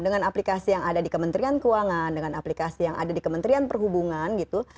dengan aplikasi yang ada di kementerian keuangan dengan aplikasi yang ada di kementerian perhubungan gitu